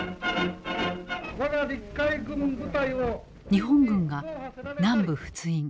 日本軍が南部仏印